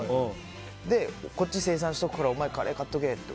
で、こっち精算しとくからお前、カレー頼んどけって。